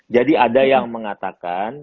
jadi ada yang mengatakan